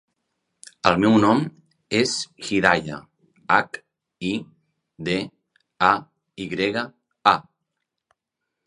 El meu nom és Hidaya: hac, i, de, a, i grega, a.